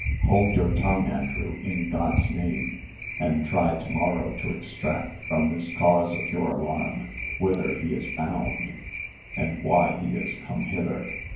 Hold your tongue, Andrew, in God's name, and try to morrow to extract from this cause of your alarm whither he is bound, and why he is come hither.